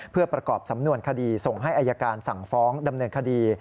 เพื่อประกอบสำนวนคดีส่งให้อายการสั่งฟ้องดำเนินคดี